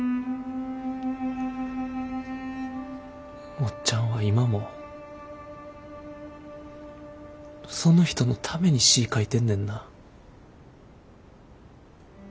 おっちゃんは今もその人のために詩ぃ書いてんねんな。